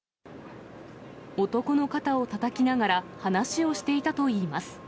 男の肩をたたきながら話をしていたといいます。